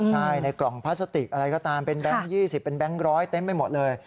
ใช่ในกล่องพลาสติกอะไรก็ตามเป็นแบงค์๒๐เป็นแก๊งร้อยเต็มไปหมดเลย